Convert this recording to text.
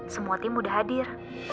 semua tim udah hadir